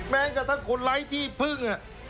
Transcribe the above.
แม้กระทั่งคนไร้ที่พึ่ง